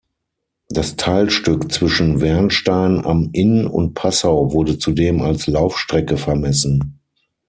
Das Teilstück zwischen Wernstein am Inn und Passau wurde zudem als Laufstrecke vermessen.